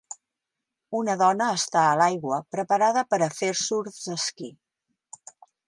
Una dona està a l'aigua preparada per a fer surfesquí.